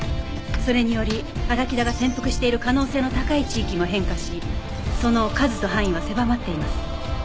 それにより荒木田が潜伏している可能性の高い地域も変化しその数と範囲は狭まっています。